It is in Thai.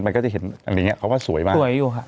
มันก็จะเห็นอันนี้เค้าว่าสวยมาก